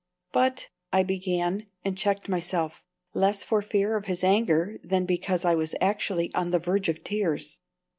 "But " I began, and checked myself, less for fear of his anger than because I was actually on the verge of tears.